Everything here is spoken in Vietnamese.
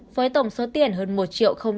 với tổng số tiền hơn một sáu mươi sáu tỷ đồng